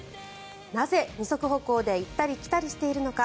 なぜ二足歩行で行ったり来たりしているのか。